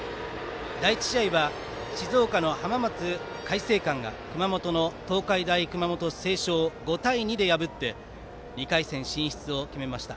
第１試合は静岡の浜松開誠館が熊本の東海大熊本星翔を５対２で破って２回戦進出を決めました。